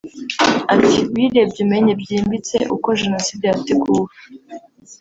Ati “Uyirebye umenye byimbitse uko Jenoside yateguwe